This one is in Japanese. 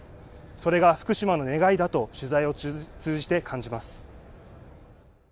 それが福島の願いだと、取材を通じて感じます。